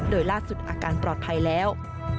โดยล่าสุดอาการปลอดภัยแล้ว